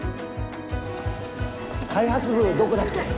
開発部どこだっけ？